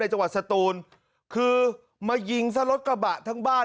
ในจังหวัดสะตูนซึ่งมายิงสัตว์รถกระบะทั้งบ้าน